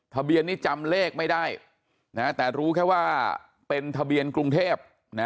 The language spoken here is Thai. ทะเบียนนี้จำเลขไม่ได้แต่รู้แค่ว่าเป็นทะเบียนกรุงเทพ